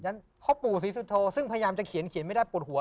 ยันต์พ่อปู่ศรีสุโธทรซึ่งพยายามจะเขียนไหมไม่ได้ปวดหัว